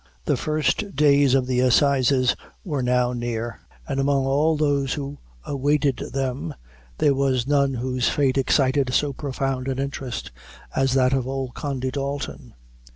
The first days of the assizes were now near, and among all those who awaited them, there was none whose fate excited so profound an interest as that of old Condy Dalton.